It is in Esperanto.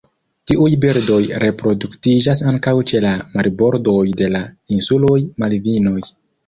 Tiuj birdoj reproduktiĝas ankaŭ ĉe la marbordoj de la insuloj Malvinoj.